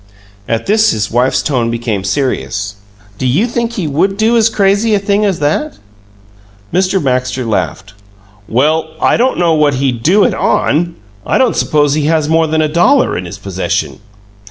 At this his wife's tone became serious. "Do you think he WOULD do as crazy a thing as that?" Mr. Baxter laughed. "Well, I don't know what he'd do it ON! I don't suppose he has more than a dollar in his possession."